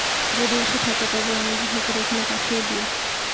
যদি এসে থাকে, তবে অনুগ্রহ করে এখানে পাঠিয়ে দিও।